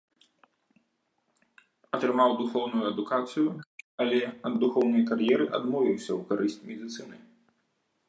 Атрымаў духоўную адукацыю, але ад духоўнай кар'еры адмовіўся ў карысць медыцыны.